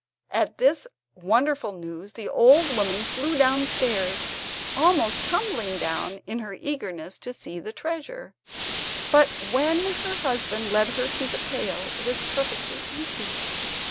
At this wonderful news the old woman flew downstairs, almost tumbling down ill her eagerness to see the treasure; but when her husband led her to the pail it was perfectly empty!